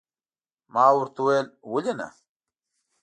ما ورته وویل، ولې نه.